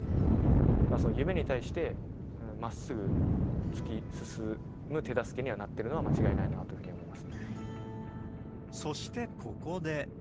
だから、夢に対してまっすぐ突き進む手助けにはなってるのは間違いないなそしてここで。